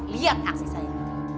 liat aksi saya